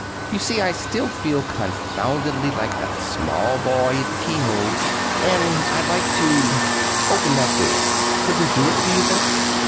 You see, I still feel confoundedly like that small boy at the keyhole, and I'd like—to open that door! Could we do it, do you think?"